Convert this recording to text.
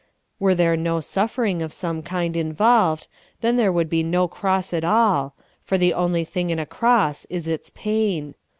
Were there no suffering of some kind involved, then there could be no cross at all, for the only thing in a cross is its pain.